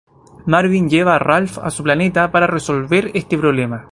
Marvin lleva a Ralph a su planeta para resolver este problema.